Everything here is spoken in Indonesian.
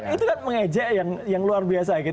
itu kan mengejek yang luar biasa